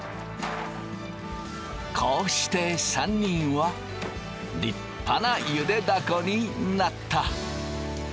こうして３人は立派なゆでだこになった。